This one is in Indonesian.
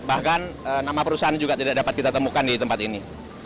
bahkan nama perusahaan juga tidak dapat kita temukan di tempat ini